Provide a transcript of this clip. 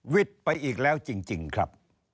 วิทย์ไปอีกแล้วจริงครับ